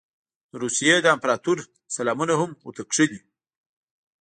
د روسیې د امپراطور سلامونه هم ورته کښلي.